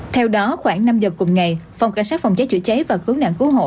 theo đó khoảng năm giờ cùng ngày phòng cảnh sát phòng cháy chữa cháy và cứu nạn cứu hộ